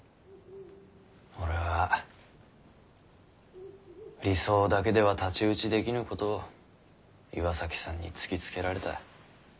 俺は理想だけでは太刀打ちできぬことを岩崎さんに突きつけられた。